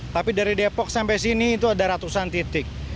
tapi dari depok sampai sini itu ada ratusan titik